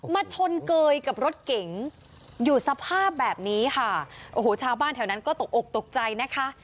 มาชนเกยกับรถเก๋งอยู่สภาพแบบนี้ค่ะโอ้โหชาวบ้านแถวนั้นก็ตกอกตกใจนะคะ